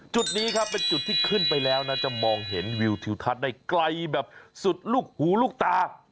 จุดนี้ครับเป็นจุดที่ขึ้นไปแล้วนะจะมองเห็นวิวทิวทัศน์ได้ไกลแบบสุดลูกหูลูกตา